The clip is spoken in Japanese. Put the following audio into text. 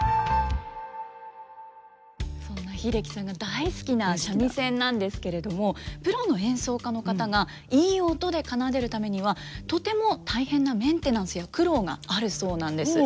そんな英樹さんが大好きな三味線なんですけれどもプロの演奏家の方がいい音で奏でるためにはとても大変なメンテナンスや苦労があるそうなんです。